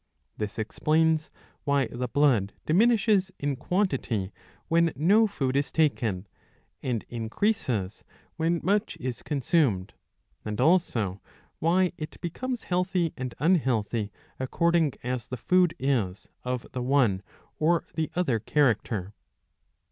'^ This explains why the blood diminishes in quantity when no food is taken, and increases when much is consumed,^* and also why it becomes healthy and unhealthy according as the food is of the one or the other character.